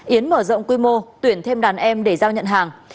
yến mở rộng quy mô tuyển thêm đàn em để giao nhận hàng